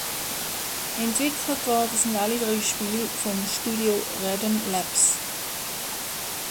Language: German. Entwickelt wurden alle drei Spiele vom Studio Radon Labs.